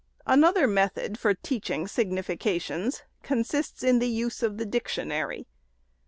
Another method for teaching significations consists in the use of the dictionary.